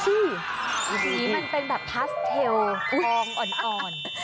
สีมันเป็นแบบพาสเทลทองอ่อน